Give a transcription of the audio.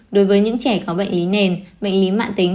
đối với những trẻ có bệnh lý nền bệnh lý mạng tính